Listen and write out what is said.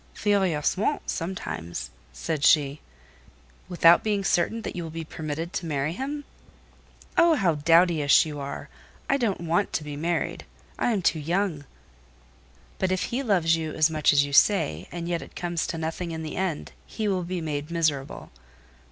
"Furieusement sometimes," said she. "Without being certain that you will be permitted to marry him?" "Oh, how dowdyish you are! I don't want to be married. I am too young." "But if he loves you as much as you say, and yet it comes to nothing in the end, he will be made miserable."